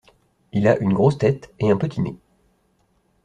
Il a une grosse tête et un petit nez.